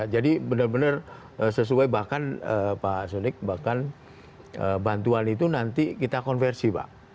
jadi benar benar sesuai bahkan pak sonek bahkan bantuan itu nanti kita konversi pak